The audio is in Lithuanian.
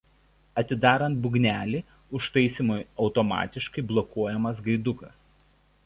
Atidarant būgnelį užtaisymui automatiškai blokuojamas gaidukas.